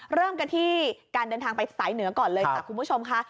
เริ่มกันที่การเดินทางไปสายเหนือก่อนเลยค่ะคุณผู้ชมค่ะ